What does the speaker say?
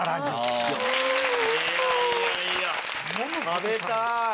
食べたい。